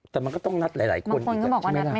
แต่มันก็ต้องนัดหลายคนอีก